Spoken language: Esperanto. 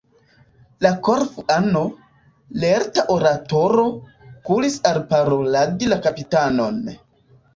La Korfuano, lerta oratoro, kuris alparoladi la kapitanon.